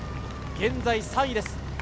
現在３位です。